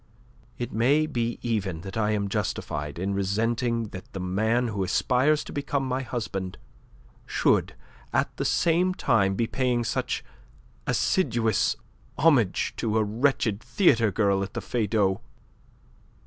It may be even that I am justified in resenting that the man who aspires to become my husband should at the same time be paying such assiduous homage to a wretched theatre girl at the Feydau."